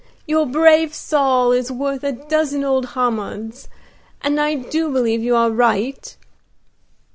Your brave Saul is worth a dozen old Hammonds, and I do believe you are right."